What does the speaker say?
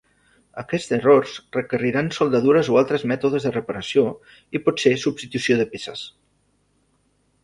Aquests errors requeriran soldadures o altres mètodes de reparació i potser substitució de peces.